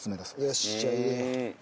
よしじゃあ入れよう。